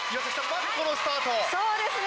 まずこのスタートそうですね